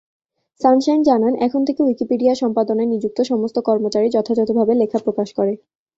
Sunshine জানান এখন থেকে উইকিপিডিয়া সম্পাদনায় নিযুক্ত সমস্ত কর্মচারী যথাযথভাবে লেখা প্রকাশ করে।